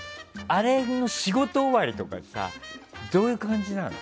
あれの仕事終わりとかさどういう感じなの？